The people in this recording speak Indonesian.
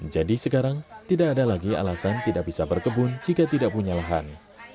jadi sekarang tidak ada lagi alasan tidak bisa berkebun jika tidak punya lahan